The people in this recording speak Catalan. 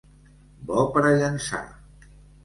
Bo per a llençar.